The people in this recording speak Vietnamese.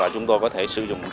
chúng tôi có thể sử dụng